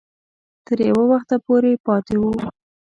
تر یو وخته پورې پاته وو.